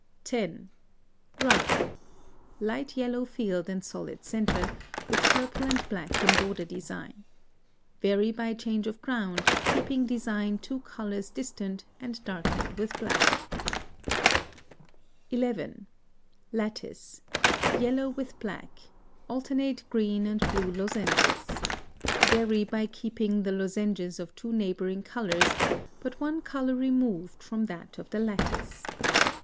10. Rug. Light yellow field and solid centre, with purple and black in border design. Vary by change of ground, keeping design two colors distant and darkened with black. 11. Lattice. Yellow with black: alternate green and blue lozenges. Vary by keeping the lozenges of two neighboring colors, but one color removed from that of the lattice.